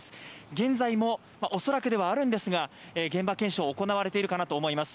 現在も恐らくではあるんですが現場検証、行われているかなと思います。